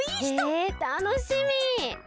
へえたのしみ！